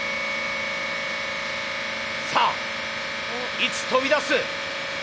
さあいつ跳び出す？